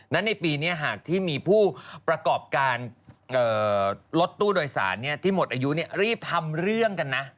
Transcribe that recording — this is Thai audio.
ในปีนี้หากที่มีผู้ประกอบการรถตู้โดยสารที่หมดอายุรีบทำเรื่องกันนะ